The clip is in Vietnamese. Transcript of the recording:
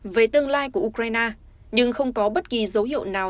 về tương lai của ukraine nhưng không có bất kỳ dấu hiệu nào